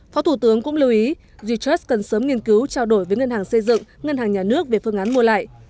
phó thủ tướng cũng lưu ý j trust cần sớm nghiên cứu trao đổi với ngân hàng xây dựng ngân hàng nhà nước về phương án mua lại